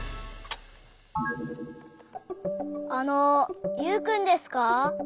あのユウくんですか？